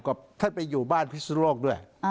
ค่ะไปอยู่บ้านพิษุโรคด้วย